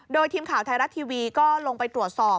โดยทีมข่าวไทยรัฐทีวีก็ลงไปตรวจสอบ